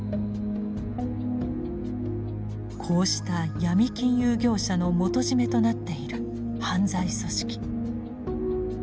こうした闇金融業者の元締めとなっている犯罪組織。